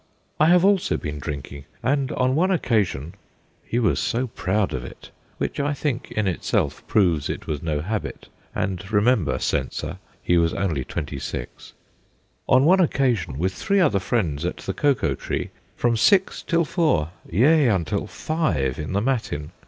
' I have also been drinking, and on one occasion ' he was so proud of it ! which I think in itself proves it was no habit, and remember, censor, he was only twenty six DIETETICS 93 ' on one occasion, with three other friends at the Cocoa Tree, from six till four, yea, unto five in the matin.